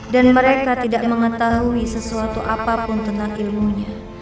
dan mereka tidak mengetahui sesuatu apapun tentang ilmunya